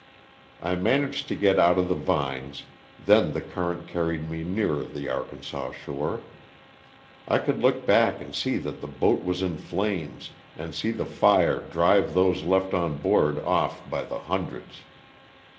I managed to get out of the vines, then the current carried me nearer the Arkansas shore. I could look back and see that the boat was in flames and see the fire drive those left on board off by the hundreds.